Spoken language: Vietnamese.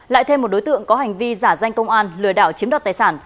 lại thêm một đối tượng có hành vi giả danh công an lừa đảo chiếm đoạt tài sản